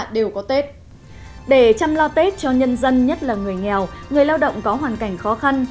để chăm lo tết cho nhân dân nhất là người nghèo người lao động có hoàn cảnh khó khăn